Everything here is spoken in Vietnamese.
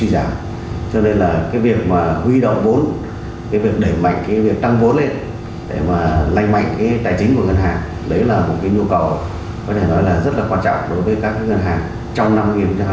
là một nhu cầu rất quan trọng đối với các ngân hàng trong năm hai nghìn hai mươi hai